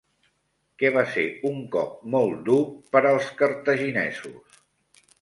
Què va ser un cop molt dur per als cartaginesos?